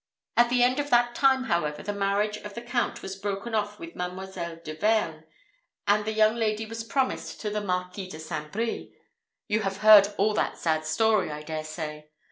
At the end of that time, however, the marriage of the Count was broken off with Mademoiselle de Vergne, and the young lady was promised to the Marquis de St. Brie. You have heard all that sad story, I dare say!